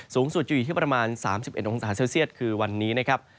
สูงสุดอยู่ที่ประมาณ๓๑องศาเซลเซียตวันนี้